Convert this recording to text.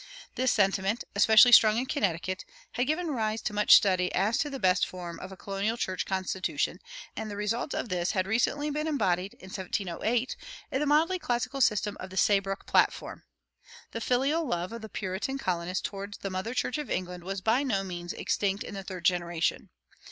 This sentiment, especially strong in Connecticut, had given rise to much study as to the best form of a colonial church constitution; and the results of this had recently been embodied (in 1708) in the mildly classical system of the Saybrook Platform. The filial love of the Puritan colonists toward the mother church of England was by no means extinct in the third generation.